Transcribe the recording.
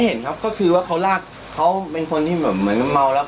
เห็นครับก็คือว่าเขาลากเขาเป็นคนที่แบบเหมือนเมาแล้ว